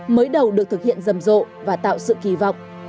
mới đầu được thực hiện rầm rộ và tạo sự kỳ vọng